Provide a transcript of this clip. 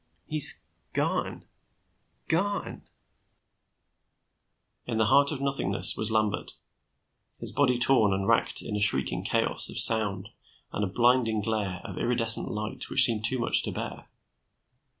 "He's gone gone " In the heart of nothingness was Lambert, his body torn and racked in a shrieking chaos of sound and a blinding glare of iridescent light which seemed too much to bear.